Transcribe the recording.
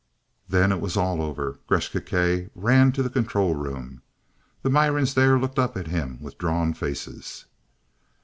Then it was all over. Gresth Gkae ran to the control room. The Mirans there looked up at him with drawn faces.